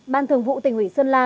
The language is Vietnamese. ban thường vụ tỉnh ủy sơn la